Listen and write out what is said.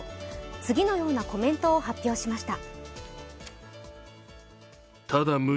次のようなコメントを発表しました。